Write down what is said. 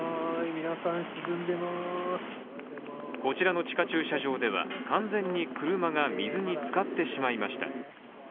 こちらの地下駐車場では完全に車が水につかってしまいました。